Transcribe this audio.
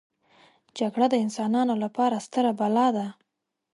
جګړه د انسانانو لپاره ستره بلا ده